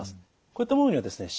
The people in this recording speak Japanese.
こういったものにはですね